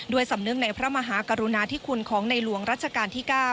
สำนึกในพระมหากรุณาธิคุณของในหลวงรัชกาลที่๙